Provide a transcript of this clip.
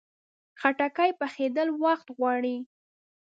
خټکی پخېدل وخت غواړي.